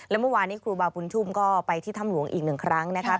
และเมื่อวานนี้ครูบาบุญชุมก็ไปที่ถ้ำหลวงอีกหนึ่งครั้งนะครับ